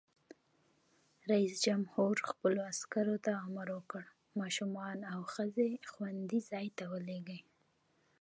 رئیس جمهور خپلو عسکرو ته امر وکړ؛ ماشومان او ښځې خوندي ځای ته ولېلوئ!